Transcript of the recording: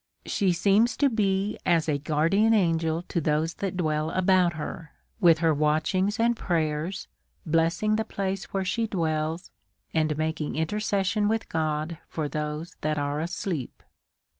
She seems to be as a guardian angel to those that dwell about her, with her watchings and prayers blessing the place where she dwells, and making intercession with God for those that are asleep.